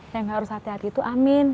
yang harus hati hati itu amin